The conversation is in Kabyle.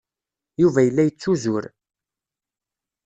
Yuba yella yettuzur.